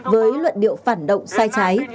với luận điệu phản động sai trái